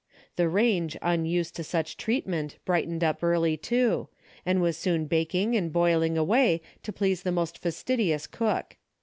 The range unused to such treatment brightened up early too, and was soon baking and boiling away to please the most fastidious cook.